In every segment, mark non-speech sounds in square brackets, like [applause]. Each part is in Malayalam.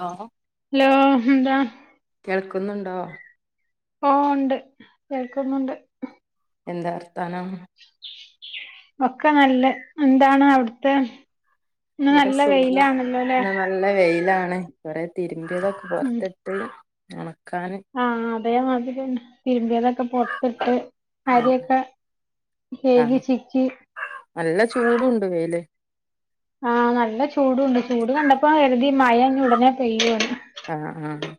ലോ ഹലോ എന്താ കേൾക്കുന്നുണ്ടോ ആഹ് ഒണ്ട് കേൾക്കുന്നുണ്ട് എന്താ വർത്താനം ഒക്കെ നല്ലെഹ് എന്താണ് അവ്ട്ത്തെ ഇന്ന് ഇവിടെ നല്ല സുഖം വെയിലാണല്ലോ ല്ലേ ഇന്ന് നല്ല വെയിലാണ് കൊറേ തിരുമ്പിയതൊക്കെ പൊർത്തിട്ട് ഒണക്കാന് ആഹ് അതേമാതിരിന്നെ തിരുമ്പിയേതൊക്കെ പൊറത്തിട്ട് അരിയൊക്കെ കെയ്കി ആഹ് ചിക്കി നല്ല ചൂടുണ്ട് വെയില് ആഹ് നല്ല ചൂടുണ്ട് ചൂട് കണ്ടപ്പം കെര്തി മഴ ഉടനെ പെയ്യുന്ന് ആഹ് ആഹ്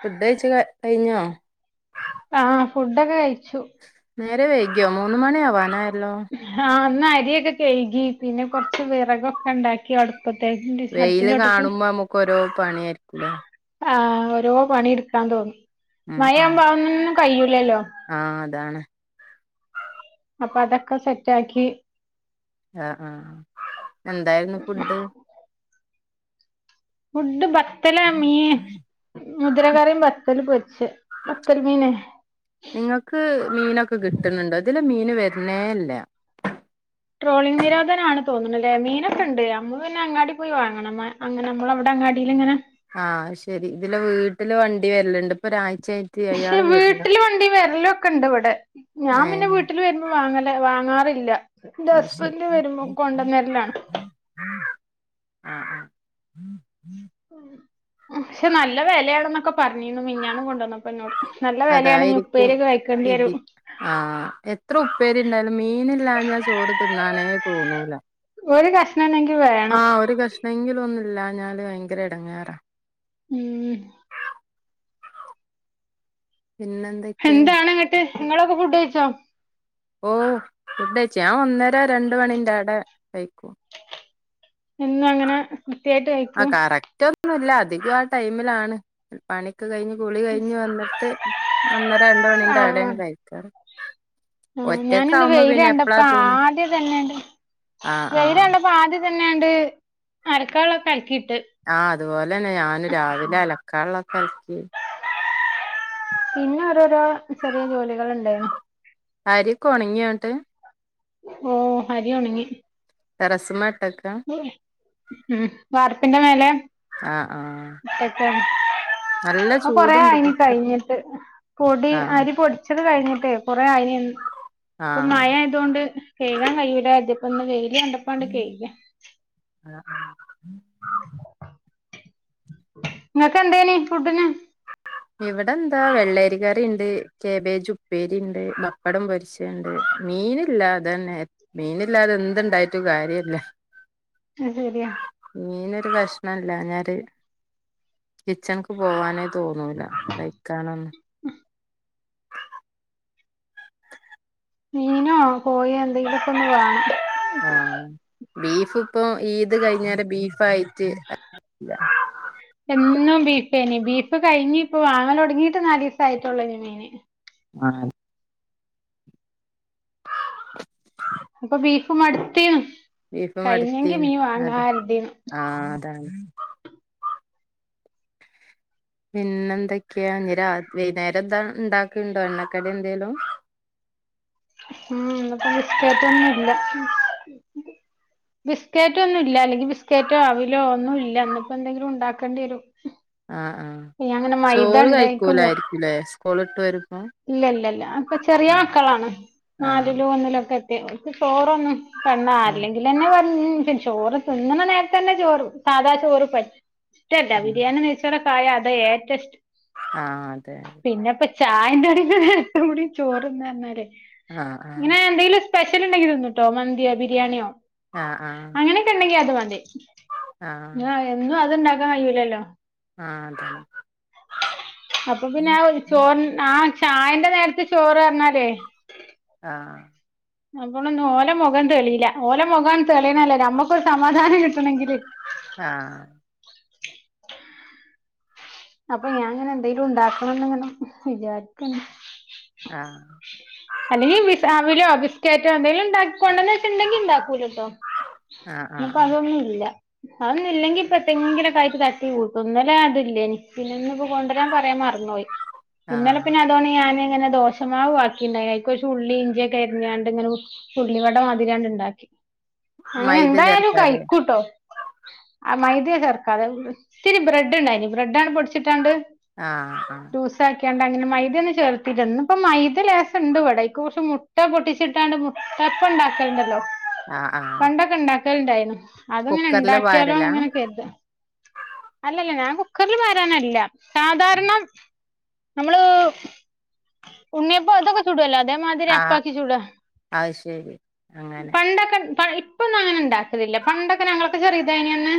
ഫുഡ് കഴ്‌ച്ച് ക കഴിഞ്ഞോ ആഹ് ഫുഡൊക്കെ കഴിച്ചു നേരം വെയ്കിയോ മൂന്ന് മണി ആവാനായല്ലോ ഹാ ഇന്ന് അരിയൊക്കെ കെയ്കി പിന്നെ കൊറച്ച് വിറകൊക്കെ ണ്ടാക്കി അടു പത്തേജ്ണ്ട് വെയില് കാണുമ്പോ നമ്മുക്ക് ഓരോ പണി ആയിരിക്കൂല്ലേ ആഹ് ഓരോ പണി ഇട്ക്കാൻ തോന്നും ഉം ഉം മഴവ്മ്പ അഒന്നും കയ്യുലല്ലോ ആഹ് അതാണ് അപ്പ അതക്കെ സെറ്റക്കി ആഹ് ആഹ് എന്തായിരുന്നു ഫുഡ് ഫുഡ്ഡ് ബ ത്തലാ മീൻ മുതിരകറിം ബത്തല് പൊര്ച്ച് ബത്തല് മീന് നിങ്ങൾക്ക് മീനൊക്കെ കിട്ടുന്നുണ്ടോ ഇതിലെ മീൻ വെര്ണേ ഇല്ല ട്രോളിംഗ് നിരോധന ആണ് തോന്ന്ണ്ല്ലേ മീനൊക്കെണ്ട് അമ്മള് പിന്നെ അങ്ങാടി പോയി വാങ്ങണം മ്മെ അങ്ങനെ മ്മളവ്ടെ അങ്ങാടില് ഇങ്ങനെ ആഹ് ശെരി ഇതിലെ വീട്ടില് വണ്ടി വെര്ല്ണ്ട് ഇപ്പൊരായ് ഷെ വീട്ടില് വണ്ടി വെര്ലൊക്കെണ്ട് ഇവടെ ഞാൻ പിന്നെ ഏഹ് വീട്ട്ല് വ ര്മ്പൊ വാങ്ങല് വാങ്ങാറില്ല ന്റെ ആഹ് ശരി ഹസ്ബൻഡ് വരുമ്പോ കൊണ്ടെന്നെര്ലാണ് ആഹ് ആഹ് ളം ക്ഷെ നല്ല വെലെണ്ന്നൊക്കെ പറഞ്ഞിരുന്നു മിഞ്ഞാന്ന് കൊണ്ടുവന്നപ്പോ ന്നോട് അഹ് വെലെണ് ഞ് അതായിരിക്കും ഉപ്പേരിയൊക്കെ ഇത് കഴിക്കേണ്ടിയെരും ആഹ് എത്ര ഉപ്പേരി ണ്ടായാലും മീനില്ലാ ഞാ ചോറ് തിന്നാനേ തോന്നൂല ഒരു കഷ്ണംണെങ്കി വേണം എപ്പയെങ്കിലും ഒന്നില്ലാഞ്ഞാല് ഭയങ്കര എടങ്ങേറാ ഉം പിന്നെ എന്തെ ഹെന്താണ്ങ്ങിട്ട് ഇങ്ങളൊക്കെ ഫുഡ് കഴിച്ചോ ഓ ഫുഡയ്ച്ചു ഞാൻ ഒന്നര രണ്ട് മണിന്റെ എടെ കഴിക്കും എന്നു അങ്ങനെ കൃത്യായിട്ട് കഴി ആഹ് കറക്റ്റ് ഒന്നുല്ല അധികം ആഹ് ടൈമിലാണ് പണിക്കെ കഴിഞ്ഞ് കുളി കഴിഞ്ഞ് വന്നിട്ട് ഒന്നര രണ്ട് മണിന്റെ ആഹ് എടെണ് ആഹ് കഴിക്കാറ് ആഹ് ഞാനിന്ന് ഒറ്റക്കാവുമ്പോ വെയില് പിന്നെ എപ്പളാ കണ്ടപ്പ തോന്ന ആദ്യ തന്നെണ്ട് ആഹ് വെയില് ആഹ് കണ്ട പ്പൊ ആദ്യത്തന്നെ ആണ്ട് അലക്കാൻ ള്ളൊക്കെ അലക്കിട്ട് ആഹ് അതുപോലെന്നെ ഞാനും രാവിലെ അലക്കാള്ളൊക്കെ അലക്കി പിന്നെ ഓരോരോ ചെറിയ ജോലികൾ ഇണ്ടായിന്നു അരിക്കെ ഒണങ്യോ ന്നട്ട് ഓ അരിയൊണങ്ങി രസമാട്ടക് ഉം ഉം വാർപ്പിന്റെ മേലെ ആഹ് ആഹ് [unintelligible] നല്ല ആഹ് കൊറ ചൂടുണ്ട് ആയിനി പൊറത്ത് കഴിഞ്ഞിട്ട്. പൊടി ആഹ് അരി പൊടി ച്ചത് കഴിഞ്ഞിട്ടെ കൊറെ ആയ്നിന്ന്. ഇപ്പ ആഹ് മഴേ തുകൊണ്ട് കൈകാൻ കയ്യൂല്ല. ദി പ്പ ന്ന് വെയിലി കണ്ടപ്പാണ്ട് കെയ്കാ ആഹ ആ ഇങ്ങക്ക എന്തേനി ഫുഡിന്? ഇവിടെ എന്താ? വെള്ളരി കറിണ്ട്. കേബേജ് ഉപ്പേരിണ്ട്. ബപ്പടം പൊരിച്ച് ട്ട്ണ്ട്. മീനില്ലാ അതന്നെ. മീനില്ലാതെ എന്ത്ണ്ടായിട്ടും കാര്യല്ല്യാ. അഹ് ശര്യാ മീനൊരു കഷ്ണം ഇല്ലാഞ്ഞാല് കിച്ചനിക്ക് പോവാനേ തോന്നൂല. കയ്ക്കാനോന്നും ഉ മീനോ കോയോ എന്തെങ്കിലൊക്കൊന്ന് വേണം. ആഹ് ബീഫ് ഇപ്പോ ഈദ് കഴിഞ്ഞേര ബീഫായിട്ട് ആഹ് ഇല്ല എന്നും ബീഫ് തന്നെ. ബീഫ് കഴിഞ്ഞ് ഇപ്പ വാങ്ങലൊടങ്ങിട്ട് നാലീസായിട്ടോള്ളൂ ഞാൻ മീന് ആഹായി ഇപ്പ ബീഫ് മടുത്തീണു. ബീഫ് കഴിഞ്ഞെങ്കി മടുത്തീന് മീൻ അതെ വാങ്ങാരുതീ ആഹ് അതാണ് പിന്നെന്താക്കെയാ? ഇനി രാ വൈന്നേരം എന്താ ഇണ്ടാക്കിണ്ടോ എണ്ണക്കടി എന്തേലും? ഉം ഇന്ന്പ്പോ ബിസ്‌ക്കേറ്റ് ഒന്നും ഇല്ല. ബിസ്ക്കേറ്റോ ഒന്നും ഇല്ല. അല്ലെങ്കി ബിസ്കേറ്റോ അവിലോ ഒന്നും ഇല്ല. ഇന്ന്പ്പോ എന്തെങ്കിലും ഇണ്ടാക്കണ്ടി വരും. ആഹ് ഇയ്യാങ്ങനെ മൈദ ഇണ്ട് ആയിക്ക് പുവ്വാ ഇല്ലേ സ്കൂളിട്ട് വരും ഇല്ലല്ലല്ല അപ്പ ചെറിയ മക്കളാണ്. ആഹ് നാലിലും ഒന്നിലും ഒക്കെ എത്ത്യാ അപ്പ ചോറൊന്നും ണ്ണാ ആഹ് അല്ലെങ്കിലന്നെ പറഞ്ഞ [unintelligible] ചോറ് തിന്നണ നേരത്തെന്നെ ചോറ് സാദാ ചോറ് പറ്റ് ഷ്ടല്ല. ആഹ് ബിരിയാണി നെയ്ച്ചോറൊക്കെ ആയ അതാ ഏറ്റും ഇഷ്ടം. ആഹ് അതെ പിന്നെപ്പോ ചായെന്റെ കടിം കൂടേ ചോറിന്നാ പറഞ്ഞാലേ ആഹ് ആഹ് ഇങ്ങനെ എന്തെിലും പെഷ്യൽ ഉണ്ടെങ്കി തിന്നുംട്ടോ. മന്ത്യോ ബിരിയാണ്യോ ആഹ് ആഹ് അങ്ങനെക്കെ ഇണ്ടെങ്കി അത് മതി ആഹ് എന്നും അത്ണ്ടാക്കാൻ കയ്യൂല്ലല്ലോ ആഹ് അതന്നേ അപ്പ പിന്നെ ആ ഒര് ചോറ് ആ ചായന്റെ നേരത്ത് ചോറ് പറഞ്ഞാലേ ആഹ് അപ്പളൊന്നും ഓല മൊഖം തെളിയ്ല്ല. ഓല മൊഖം തെളിയണല്ലൊ ഞമ്മക്കൊരു സമാധാനം കിട്ടണങ്കില്. ആഹ് അപ്പ ഞാൻ ങ്ങനെ എന്തെലും ഉണ്ടാക്കണംന്ന് ങ്ങനെ വിചാരിക്കേണ് ആഹ് അല്ലെങ്കി വിസ് അവിലോ ബിസ്ക്കറ്റോ എന്തെങ്കിലും ഉണ്ടാ കൊണ്ടന്ന് വെച്ചിണ്ടെങ്കിൽ ഉണ്ടാക്കൂലട്ടോ ആഹ് ആഹ് ഇന്ന്പ്പ ആഹ് അതൊന്നും ഇല്ല അതൊന്നും ഇല്ലെങ്കി ഇപ്പെത്തെങ്കിലൊക്ക ആയിട്ട് തട്ടി കൂട്ടും. ഇന്നലെ അത് ഇല്ലേനി പിന്നെ ഇന്ന് ഇപ്പോ കൊണ്ടരാൻ പറയാൻ മറന്നുപോയി. ഇന്നലെ ആഹ് പിന്നെ [unintelligible] ഞാനിങ്ങനെ ദോശമാവ് ബാക്കിണ്ടായി. അതിക്ക് കൊറച്ചു ഉള്ളി ഇഞ്ച്യൊക്കെ അരിഞ്ഞാണ്ട് ഇങ്ങന ഉള്ളിവട മാതിരി ആണ് ഇണ്ടാക്കി. അങ്ങനെ മൈദ എന്തായാലും ചേർക്കാതെ കഴിക്കൂട്ടോ. ആഹ് മൈദ ചേർക്കാതെ. ഇത്തിരി ബ്രെഡ് ഇണ്ടായിനി. ബ്രെഡങ്ങാട് പൊടിച്ചിട്ടാണ്ട്. ആഹ് ആഹ് ജ്യൂസാക്കിയാണ്ട് അങ്ങനെ മൈദ ഒന്നും ചേർത്തില്ല. ഇന്നിപ്പോ മൈദ ലേശം ഇണ്ട് ഇവടെ. അതിക്ക് കൊറച്ച് മുട് മുട്ട പൊട്ടിച്ചിട്ടാണ്ട് മുട്ടയപ്പം ഇണ്ടാക്കലുണ്ടല്ലോ ആഹ് ആഹ് പണ്ടൊക്കെ ഇണ്ടാക്കലുണ്ടായിനു അത് ഇങ്ങനെ കുക്കറില് ഇണ്ടാക്കിയാലോന്ന് പാരലാ ഇങ്ങനെ കരുതാ അല്ലല്ല ഞാൻ കുക്കറിൽ പാരാനല്ല സാധാരണ നമ്മള് ഉണ്ണിയപ്പോ അതൊക്കെ ചു ചുടുവല്ലോ അതേമാതിരി ആഹ് അപ്പാക്കി ചുടാ അത് ശരി അങ്ങനെ പണ്ടൊക്കെ ഇണ്ട് പ ഇപ് ഇപ്പൊന്നും അങ്ങനെ ഇണ്ടാക്കലില്ല പണ്ടൊക്കെ ഞങ്ങളൊക്കെ ചെറീതായിനന്ന്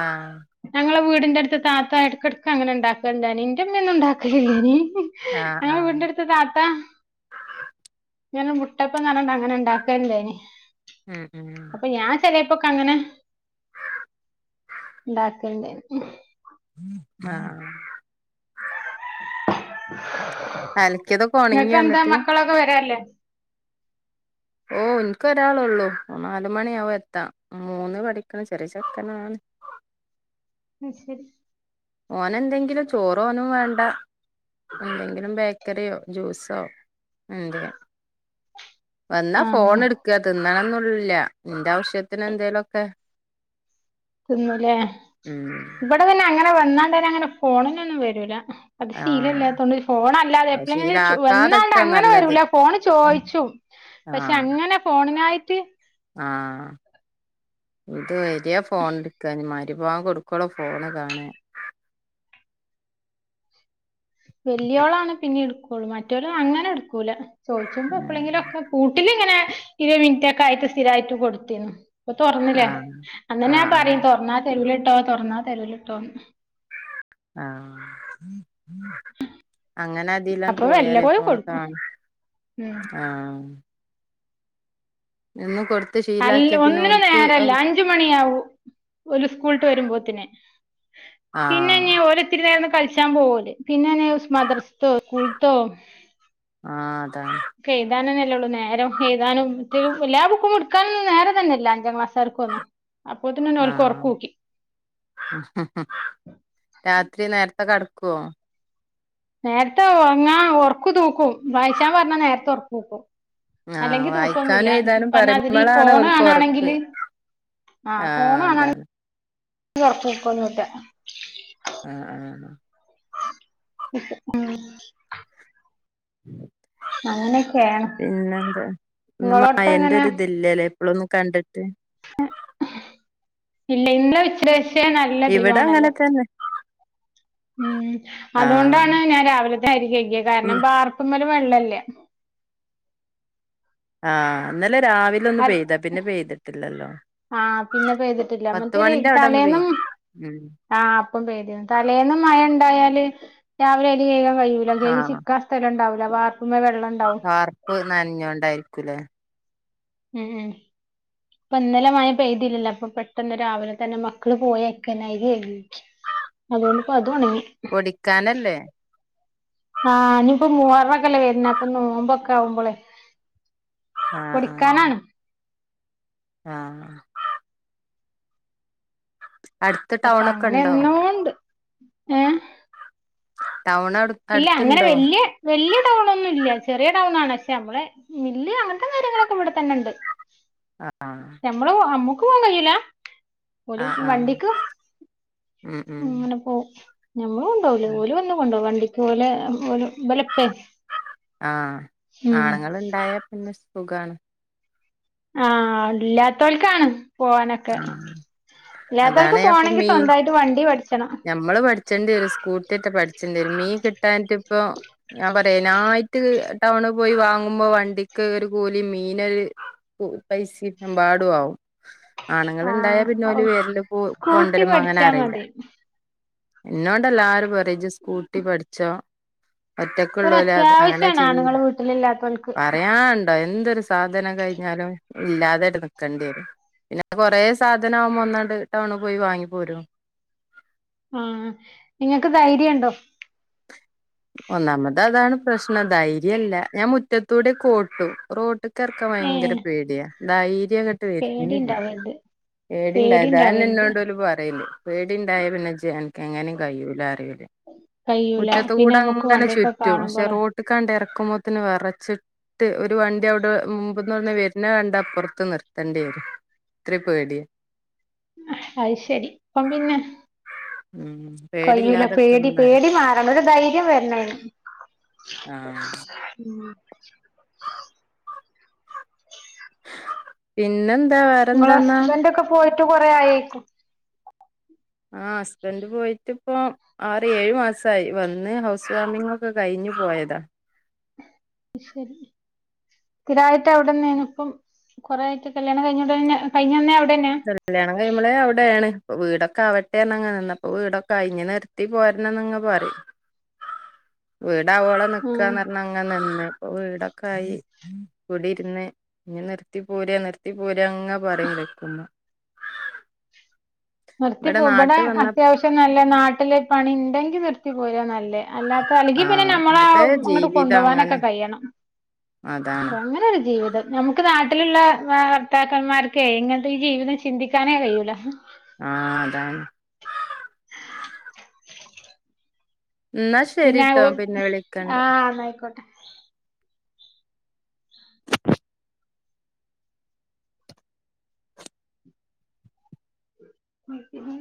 ആഹ് ഞങ്ങളെ വീടിന്റെട്ത്തെ താത്ത എടക്കട്ക്കങ്ങനെ ഇണ്ടാക്കല്ണ്ടേനി ഇന്റെ ഉമ്മയൊന്നും ഇണ്ടാക്കലില്ലേനീ ആഹ് ഞങ്ങളെ ആഹ് വീടിന്റെട്ത്ത് ത്തെ താത്ത ഇങ്ങനെ മുട്ടപ്പന്ന് പറഞ്ഞ് ഇണ്ടാക്കല്ണ്ടേനി ഉം ഉം അപ്പ ഞാൻ ചെലേപ്പൊക്കെ അങ്ങനെ ഇണ്ടാക്കല്ണ്ടേനി ആഹ് അലക്കിയതൊക്കെ ഒണങ്ങിയോ ഇങ്ങക്കെന്താ എന്നിട്ട് മക്കളൊക്കെ വരാറില്ലേ ഓഹ് ഇൻക്ക് ഒരാളൊള്ളൂ നാല്മണിയാവും എത്താ മൂന്ന് പഠിക്ക്ണ ചെറിയ ചെക്കനാണ് അത് ശരി ഓനെന്തെങ്കിലും ചോറ് ഓനും വേണ്ട എന്തെങ്കിലും ബേക്ക് ക്കറിയോ ജൂസോ എന്തേ വന്നാ ഫോൺ ആഹ് എടു ക്ക തിന്നണന്നുല്ല ഇന്റെ ആവശ്യത്തിന് എന്തേലൊക്കെ തിന്നൂലേ ഉം ഇവിടെ പിന്നെ അങ്ങനെ വന്നാണ്ടരെ അങ്ങനെ ഫോണിനൊന്നും വെരൂല അത് ആഹ് ശീലല്ലാത്തോണ്ട് ഫോണല്ലാതെ അത് എപ്പളേലും വന്നാണ്ട് ശീലാക്കാതെക്കാ അങ്ങനെ നല്ലത് വെരൂല ഫോണ് ചോയിച്ചും പക്ഷെ ആഹ് അങ്ങനെ ഫോണിനായിട്ട് ആഹ് ഇത് വെരാ ഫോണ് എട്ക്കാ ഞ് മഹരി ബാങ്ക് കൊടു ക്കളു ഫോണ്കാണാ വെല്ല്യോളാണ് പിന്നിം ഇടുക്കുള്ളൂ മറ്റോല് അങ്ങനെ ഇടുക്കൂല ചോയിച്ചുമ്പോ എപ്പളെങ്കിലൊക്കെ പൂട്ടിലിങ്ങനെ ഇരുവ മിൻറ്റൊക്കെ ആയിട്ട് സ്ഥിരയിട്ട് കൊടുത്തിനു ഇപ്പൊ തൊർന്നിലെ ആഹ് അന്നന്നെ ഞാൻ ആഹ് ആഹ് പറിം തൊർന്നാ തെരൂലട്ടോ തൊർന്നാ തെരൂലട്ടോന്ന് ആഹ് അങ്ങനെ അതിലാണ് അപ്പൊ പോയാലേ വല്ലപ്പോഴും ഫോണ് കൊടുക്കും കാണ് ഉം ആഹ് നിന്ന് കൊടു അല്ല ഒന്നിനു നേരല്ല അഞ്ച് മണിയാവും ഓല് സ്കൂള്ട്ട് വരുമ്പോത്തിന് പിന്നെ ആഹ് ഇനി ഓല് ഇത്തിരി നേരന്ന് കളിച്ചാൻ പോവോല് പിന്നെ വന്ന് ഉസ് മദ്രസ്സ്ത്തോ സ്കൂള്ത്തോ ആഹ് അതാണ് ക്കെ എഴുതാനെന്നെള്ളു നേരം എഴുതാനും ത്തിനും എല്ലാ ബുക്കും എടുക്കാനൊന്നും നേരം തന്നെല്ല അഞ്ചാം ക്ലാസ്സാര്ക്കൊന്നും ആഹ് രാത്രി നേരത്തെ കെടക്കോ? നേരത്തെ ഒർങ്ങാ ഒർക്ക് തൂക്കും വായിച്ചാൻ പറഞ്ഞാ നേരത്തെ ഒർക്കൂക്കും ആഹ് വായിക്കാനും എഴുതാനും പറഞ്ഞാതിരി പറിയിമ്പളാണ് ഫോണ് ഓൽക്ക് ഒർക്ക് കാണാണെങ്കില് ആഹ് അതാണ് [unintelligible] ഒർക്കൂക്കൊന്നുല്ല ആഹ് ആഹ് [unintelligible] ആഹ് അങ്ങനെയൊക്കെയാണ് പിന്നെന്ത് ഇന്ന് നിങ്ങളോടത്ത് മയന്റെ എങ്ങനെ ഒരു ഇത് ഇല്ല ലേ ഇപ്പളൊന്നും കണ്ടിട്ട് ഇല്ല ഇന്നെലെ ഇച്ചിരിശ്ശെ നല്ല ഇവിടെ തെളിവാണല്ലോ അങ്ങനെ തന്നെ ഉം അതോണ്ടാണ് ആഹ് ഞാൻ രാവിലത്തെ അരികെയ്കിയെ കാരണം ബാർപ്പ്മ്മല് വെള്ളല്ല ആഹ് ഇന്നലെ രാവി ലൊന്ന് അൽ പെയ്താ പിന്നെ പെയ്തിട്ടില്ലല്ലോ ആ പിന്നെ പെയ്തിട്ടില്ല പത്ത് മറ്റേത് മണിന്റെ അവിടെ ഒന്ന് പെയ് തലേന്നും ഉം ആഹ് അപ്പം പെയ്തിണ് തലേന്നും മയ ഇണ്ടായാല് രാവിലെ അരി കൈകാൻ കയ്യൂല കൈകി ആഹ് ചിക്കാൻ സ്ഥലണ്ടാവൂല വാർപ്പ്മ്മ വെള്ളണ്ടാവും വാർപ്പ് നൻഞ്ഞോണ്ടായിരിക്കൂലേ ഉം ഉം പ്പന്നലെ മയ പെയ്തില്ലല്ലോ അപ്പൊ പെട്ടന്ന് രാവിലെ തന്നെ മക്കള് പോയേക്കെന്നെ അരിയെകി അതോണ്ട്പ്പതൊണങ്ങി വിക്കാൻ അല്ലെ ആഹ് ഞ്ഞ്പ്പ മുഹറൊക്കല്ലെ വര്ണ അപ്പൊ നോമ്പൊക്കാവുമ്പളേ ആഹ് ആഹ് ആഹ് അട്ത്ത് അപ്പൊ അങ്ങനെ ടൗണൊക്കെണ്ടോ എന്നൂണ്ട് ഏഹ് ടൗണടു ഇല്ല അങ്ങനെ വല്യ വല്യ ടൗണൊന്നുല്ല ചെറിയ ടൗണാണ് പക്ഷെ മ്മള് മില്ല് അങ്ങനത്തെ കാര്യങ്ങളൊക്കെ വടെ തന്നെ ണ്ട് ആഹ് ഞമ്മള് നമ്മുക്ക് പോവാൻ കയ്യൂല ഓല് ആഹ് ആഹ് വണ്ടിക്ക് ഉം അങ്ങനെ ഉം പോവും ഞമ്മളെ കൊണ്ടോവുല ഓല് വന്ന് കൊണ്ടോവും വണ്ടിക്ക് ഓലെ ബലെപ്പെ ആഹ് ആണുങ്ങള്ണ്ടായാ പിന്നെ സുഖാണ് ആഹ് ഇല്ലാത്തോൽക്കാണ് പോവാനൊക്കെ ആഹ് അതാണ് ഇല്ലാത്തോൽക്ക് പോകണെങ്കി സ്വന്തായിട്ട് വണ്ടി പഠിച്ചണം മ്മള് പഠിച്ചണ്ട്യരും സ്കൂട്ട്യറ്റെ പഠിച്ചണ്ട്യ രും മീ കിട്ടാൻട്ട് പ്പൊ ഞാൻ പറയേ അയ്നായിറ്റ് ടൗണ് പോയി വാങ്ങുമ്പോ വണ്ടിക്ക് ഒരു കൂലിം മീനൊര് ഉം പൈസിം എമ്പാടു ആവും ആണുങ്ങള്ണ്ടായാ ആഹ് പിന്നോല് ഔ വെരല് പോ സ്കൂട്ടി കൊണ്ടരുമ്പോ അങ്ങനെ പഠിച്ചാ അറീല്ല മതി ഇന്നോണ്ടല്ലാരും പറിം ജ് സ്കൂട്ടി പഠ് ചോ ഒറ്റക്കള്ളൂലേ അത് അങ്ങനെ ഒരത്യാവശ്യാണ് ചെയ്യ് ആണുങ്ങള് വീട്ടിലില്ലാത്തോൽക്ക് പറയാണ് ണ്ട എന്തൊരു സാധനം കയ്ഞ്ഞാലും ഇല്ലാതേണ്ട് നിക്കണ്ടെരും കൊറേ സാധനാവുമ്പോ ഒന്നാണ്ട് ടൗണ് പോയി വാങ്ങിപ്പോരും ആഹ് ഇങ്ങക്ക് ധൈര്യണ്ടോ ഒന്നാമതതാണ് പ്രശ്നം ധൈര്യല്ല ഞാൻ മുറ്റത്തൂടെക്കെ ഓട്ടും റോ ട്ട്കറക്കാൻ ഭയങ്കര ഏഹ് പേടിയാ ധൈര്യങ്ങട്ട് ട്ട് വരണില്ല പേടിണ്ടാവരുത് പേടിണ്ടാവര്ത് പേടിണ്ടാവരുത് അതന്നെന്നോട് ഓല് പറയല് പേടിണ്ടായ പിന്നെ ജ് അനക്ക് എങ്ങനും കയൂലാ പറിം ഓല് കയ്യൂല പിന്നെ നമുക്ക് കൂടങ്ങനെ വണ്ടിയൊക്കെ ചുറ്റും പക്ഷെ കാണുമ്പള് റോട്ട് കാണ്ട് എറക്കുമ്പോത്തന് വെറച്ച് ട്ട് ഒരു വണ്ടി അവിടെ മുമ്പ്ന്നൊന്ന് വരണ കണ്ട അപ്പൊറത്ത് നിർത്തണ്ടി വരും ത്രിം പേട്യാ അയ് ശരി അപ്പം പിന്നെ ഉം കയ്യൂല്ല പേടി പേടില്ലാതെക്കണംന്നറിം പേടി മാറണം ഒരു ധൈര്യം വരണയിന് ആഹ് പിന്നെന്താ നിങ്ങളെ വേറെന്താന്നാ ഹസ്ബന്റ് ഒക്കെ പോയിട്ട് കൊറെ ആയേക്കും ആഹ് ഹസ്ബൻഡ് പോയിട്ട് ഇപ്പോ ആറ് ഏഴ് മാസായി വന്ന് ഹൗസ് വാമിംഗ് ഒക്കെ കയ്ഞ്ഞ് പോയതാ അയ് ശരി സ്ഥിരായിട്ട് അവടെന്നേണ് ഇപ്പം കുറെ ആയിട്ട് കല്യാണം കഴിഞ്ഞ ഉടനെന്നെ കയ്ഞ്ഞന്നെ അവിടെന്നാ കല്യാണം കഴിയുമ്പളേ അവിടെയാണ് വീടൊക്കെ ആവട്ടെ എന്ന് ഞ്ഞങ്ങനെ നിന്ന ഇപ്പൊ വീടൊക്കെ അയി ഇഞ്ഞ് നിർ ട്ടി പോരണം ന്ന് ങ്ങ പറിം വീടാവോളം നിക്കാ ഉം ന്നറഞ്ഞങ്ങനെ നിന്ന് ഇപ്പൊ വീടൊക്കായി കുടിര്ന്ന് ഇഞ്ഞ് നിർത്തി പോരാ നിർത്തി പോരാ അങ്ങെനെ പറിം വിളിക്കുമ്പം നിർത്തിപ്പോ ഇവിടെ നാട്ട് വന്ന അത്യാവശ്യം നല്ല നാട്ടില് പണി ഉണ്ടെങ്കി നിർത്തി പോരാ നല്ലേ അല്ലാത്ത അല്ലെങ്കി പിന്നെ ആഹ് നമ്മളാ വെറുതെ അങ്ങോട്ട് ജീവിതം കൊണ്ടോകാനൊക്കെ അങ്ങനെ കഴിയണം അതാണ് അങ്ങനൊരു ജീവിതം നമുക്ക് നാട്ടിലുള്ള ഭർത്താക്കന്മാർക്ക് ഇങ്ങനത്തെ ഈ ജീവിതം ചിന്തിക്കാനേ കഴിയൂല ആഹ് അതാണ് എന്നാ പിന്നെ ശരിട്ടോ ആവോ പിന്നെ വിളിക്കണ്ട് ആഹ് ന്നായിക്കോട്ടെ ഉം